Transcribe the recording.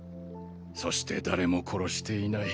そして誰も殺していない。